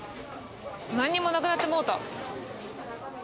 なんにもなくなってもうた。